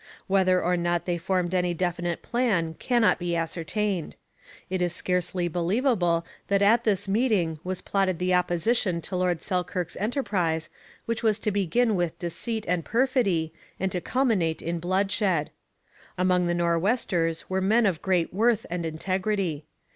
Whether or not they formed any definite plan cannot be ascertained. It is scarcely believable that at this meeting was plotted the opposition to Lord Selkirk's enterprise which was to begin with deceit and perfidy and to culminate in bloodshed. Among the Nor'westers were men of great worth and integrity.